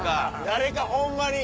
誰かホンマに。